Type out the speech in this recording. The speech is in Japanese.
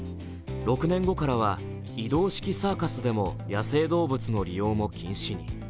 ６年後からは移動式サーカスでも野生動物の利用も禁止に。